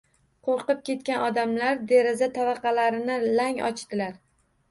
Qo`rqib ketgan odamlar deraza tavaqalarini lang ochdilar